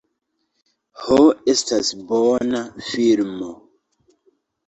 "Ho, estas bona filmo."